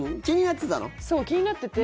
そう、気になってて。